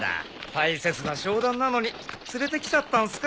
大切な商談なのに連れてきちゃったんすか？